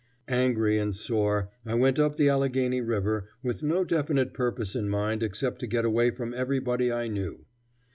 Angry and sore, I went up the Allegheny River, with no definite purpose in mind except to get away from everybody I knew.